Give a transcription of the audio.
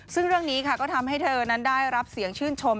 ซึ่งเรื่องนี้ค่ะก็ทำให้เธอนั้นได้รับเสียงชื่นชม